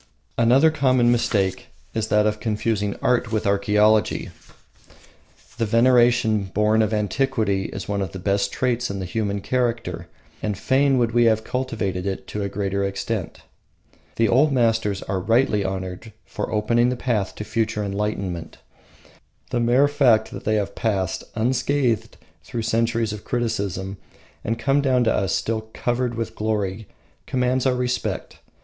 Another common mistake is that of confusing art with archaeology. The veneration born of antiquity is one of the best traits in the human character, and fain would we have it cultivated to a greater extent. The old masters are rightly to be honoured for opening the path to future enlightenment. The mere fact that they have passed unscathed through centuries of criticism and come down to us still covered with glory commands our respect.